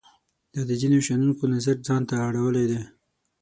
دا د ځینو شنونکو نظر ځان ته اړولای دی.